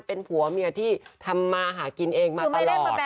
เป็นผัวเมียที่ทำมาหากินเองมาตลอด